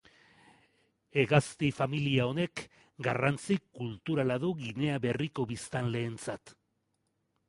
Hegazti-familia honek garrantzi kulturala du Ginea Berriko biztanleentzat.